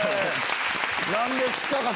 何ですか？